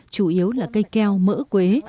chủ yếu là cây keo mỡ quế